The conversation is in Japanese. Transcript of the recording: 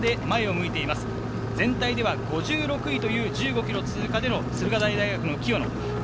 全体では５６位という１５ｋｍ通過、駿河台大学の清野。